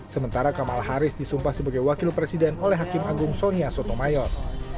sementara kamala harris disumpah sebagai wakil presiden oleh hakim agung sonia sotomayor